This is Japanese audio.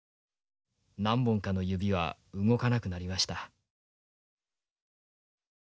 何本かの指は動かなくなりました」。